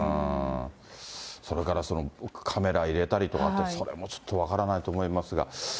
それからカメラ入れたりとか、それもちょっと分からないと思いますが。